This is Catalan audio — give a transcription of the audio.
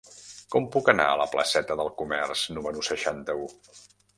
Com puc anar a la placeta del Comerç número seixanta-u?